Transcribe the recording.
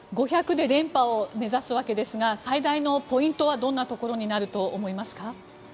５００で連覇を目指すわけですが最大のポイントはどんなところになると思いますか。